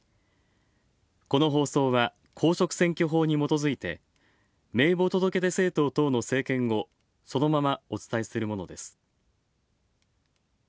この放送は公職選挙法にもとづいて名簿届出政党等の政見をそのままお伝えするものです。